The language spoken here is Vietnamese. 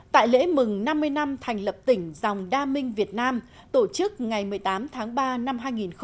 tại lễ mừng năm mươi năm thành lập tỉnh dòng đa minh việt nam tổ chức ngày một mươi tám tháng ba năm hai nghìn hai mươi